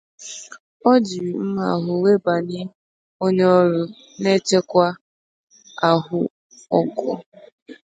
o jiri mma ahụ wee bànye onye ọrụ nchekwa ahụ ọgụ